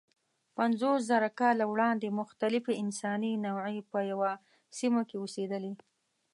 پنځوسزره کاله وړاندې مختلفې انساني نوعې په یوه سیمه کې اوسېدلې.